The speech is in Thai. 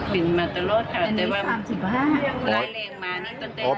เป็นมาตลอดตั้งแต่ว่า๓๕